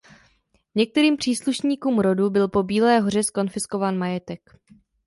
Některým příslušníkům rodu byl po Bílé hoře zkonfiskován majetek.